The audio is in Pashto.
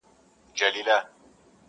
• ما د عشق سبق ویلی ستا د مخ په سېپارو کي,